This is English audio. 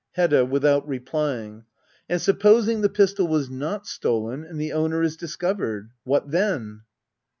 Hedda. [Without replying,] And supposing the pistol was not stolen, and the owner is discovered ? What then?